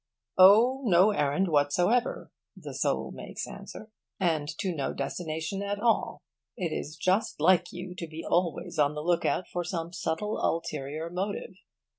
'On no errand whatsoever,' the soul makes answer, 'and to no destination at all. It is just like you to be always on the look out for some subtle ulterior motive.